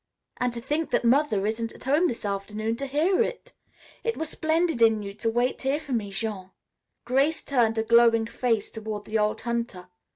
And to think that Mother isn't at home this afternoon to hear it. It was splendid in you to wait here for me, Jean." Grace turned a glowing face toward the old hunter.